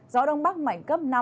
gió đông bắc mạnh cấp năm